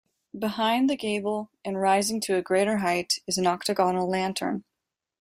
Behind the gable, and rising to a greater height is an octagonal lantern.